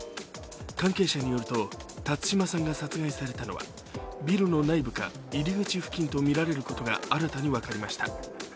関係者によると、辰島さんが殺害されたのは、ビルの内部か入り口付近とみられることが新たに分かりました。